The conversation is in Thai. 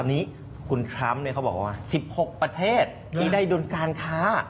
ตอนนี้คุณทรัมป์เขาบอกว่า๑๖ประเทศที่ได้ดุลการค้า